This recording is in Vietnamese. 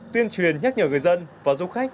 tuyên truyền nhắc nhở người dân và du khách